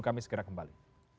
kami segera kembali